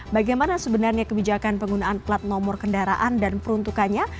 bagaimana sebenarnya kebijakan penggunaan plat nomor kendaraan dan peruntukannya